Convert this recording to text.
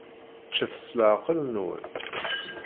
Ččet s leεqel-nwen.